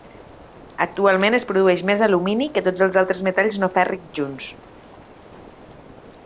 Actualment es produeix més alumini que tots els altres metalls no fèrrics junts.